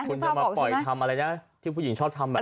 คุณจะมาปล่อยทำอะไรนะที่ผู้หญิงชอบทำ